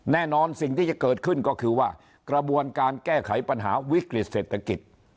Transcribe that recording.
สิ่งที่จะเกิดขึ้นก็คือว่ากระบวนการแก้ไขปัญหาวิกฤติเศรษฐกิจ